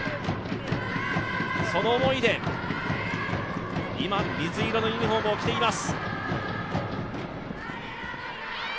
その思いで、今水色のユニフォームを着ています。